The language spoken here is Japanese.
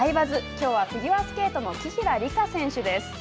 きょうはフィギュアスケートの紀平梨花選手です。